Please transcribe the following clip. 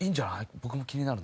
僕も気になるな。